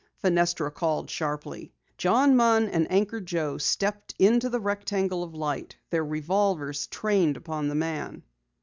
Fenestra called sharply. John Munn and Anchor Joe stepped into the rectangle of light, their revolvers trained upon the man.